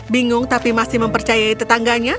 bingung tapi masih mempercayai tetangganya